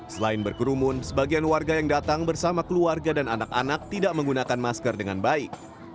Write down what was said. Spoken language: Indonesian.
selain berkerumun sebagian warga yang datang bersama keluarga dan anak anak tidak menggunakan masker dengan baik